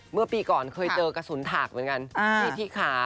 เมื่อปีก่อนเคยเจอกระสุนถากเหมือนกันที่ขา